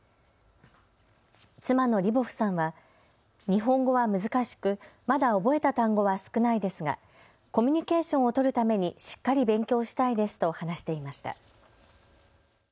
妻のリボフさんは日本語は難しく、まだ覚えた単語は少ないですがコミュニケーションを取るためにしっかり勉強したいですと話していました。